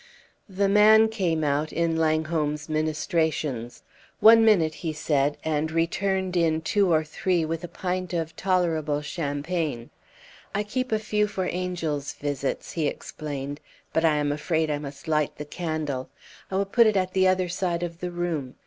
The man came out in Langholm's ministrations. "One minute," he said; and returned in two or three with a pint of tolerable champagne. "I keep a few for angel's visits," he explained; "but I am afraid I must light the candle. I will put it at the other side of the room.